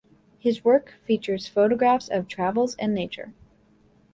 His work features photographs of travels and nature.